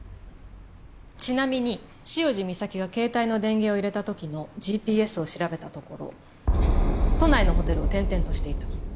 ちなみに潮路岬が携帯の電源を入れた時のＧＰＳを調べたところ都内のホテルを転々としていた。